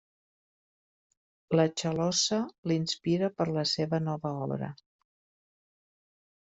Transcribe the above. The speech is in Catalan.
La Chalossa l'inspira per la seva nova obra.